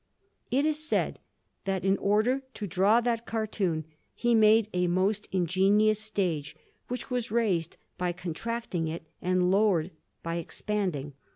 It is said that, in order to draw that cartoon, he made a most ingenious stage, which was raised by contracting it and lowered by expanding.